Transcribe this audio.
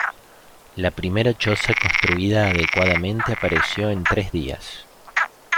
La primera choza construida adecuadamente apareció en tres días.